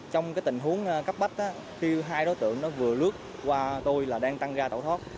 trong tình huống cấp bách khi hai đối tượng vừa lướt qua tôi là đang tăng ra tẩu thoát